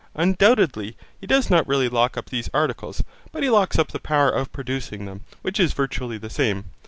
Undoubtedly he does not really lock up these articles, but he locks up the power of producing them, which is virtually the same.